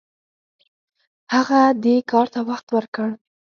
هغه دې کار ته وخت ورکړ.